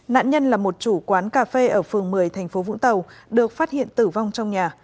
nạn nhân là một chủ quán cà phê ở phường một mươi thành phố vũng tàu được phát hiện tử vong trong nhà